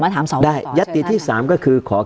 การแสดงความคิดเห็น